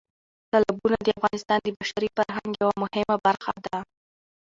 تالابونه د افغانستان د بشري فرهنګ یوه مهمه برخه ده.